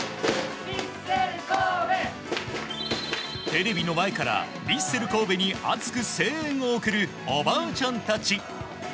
テレビの前からヴィッセル神戸に熱く声援を送るおばあちゃんたち。